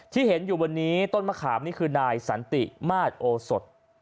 ที่เห็นอยู่บนนี้ต้นมะขามนี่คือนายสันติมาตรโอสด